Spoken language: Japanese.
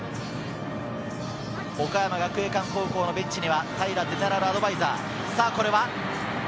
岡山学芸館高校のベンチには平ゼネラルアドバイザー。